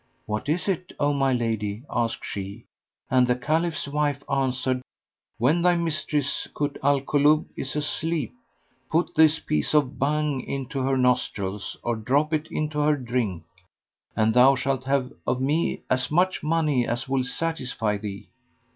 'What is it, O my lady?' asked she and the Caliph's wife answered, 'When thy mistress Kut al Kulub is asleep, put this piece of Bhang into her nostrils or drop it into her drink, and thou shalt have of me as much money as will satisfy thee.'